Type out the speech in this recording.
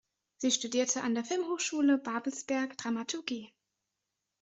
Sie studierte an der Filmhochschule Babelsberg Dramaturgie.